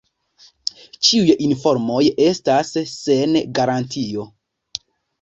Ĉiuj informoj estas sen garantio.